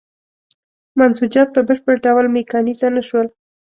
منسوجات په بشپړ ډول میکانیزه نه شول.